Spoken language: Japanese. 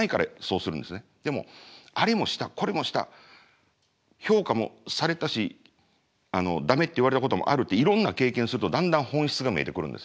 でもあれもしたこれもした評価もされたしダメって言われたこともあるっていろんな経験するとだんだん本質が見えてくるんですよ。